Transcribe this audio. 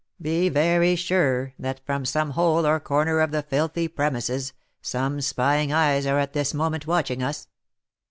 Be very sure that from some hole or corner of the filthy premises, some spying eyes are at this moment watching us.